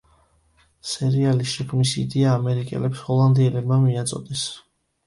სერიალის შექმნის იდეა ამერიკელებს ჰოლანდიელებმა მიაწოდეს.